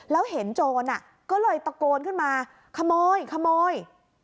แล้วเห็นโจรก็เลยตะโกนขึ้นมาขโมยขโมย